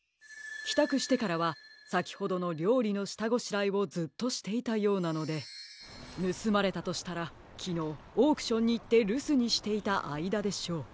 きたくしてからはさきほどのりょうりのしたごしらえをずっとしていたようなのでぬすまれたとしたらきのうオークションにいってるすにしていたあいだでしょう。